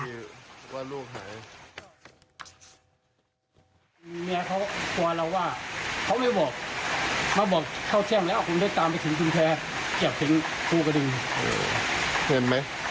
นี่ได้ครับคุณ